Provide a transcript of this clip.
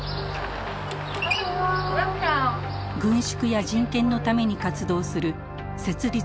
軍縮や人権のために活動する設立